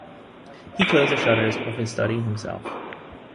He closed the shutters of his study himself.